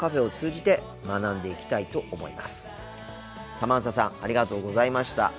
サマンサさんありがとうございました。